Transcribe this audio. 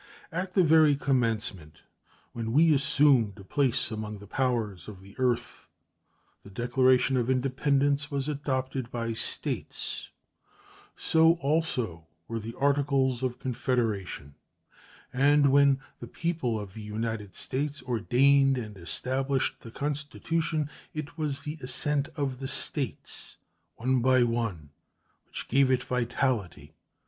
At the very commencement, when we assumed a place among the powers of the earth, the Declaration of Independence was adopted by States; so also were the Articles of Confederation: and when "the people of the United States" ordained and established the Constitution it was the assent of the States, one by one, which gave it vitality.